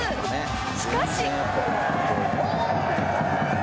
しかし